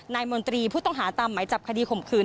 มนตรีผู้ต้องหาตามหมายจับคดีข่มขืน